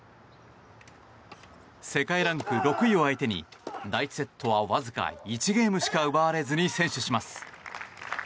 世界ランク６位を相手に第１セットはわずか１ゲームしか奪われずに先取します。